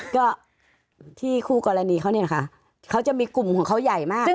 ก็ที่คู่กรณีเขาเนี่ยนะคะเขาจะมีกลุ่มของเขาใหญ่มาก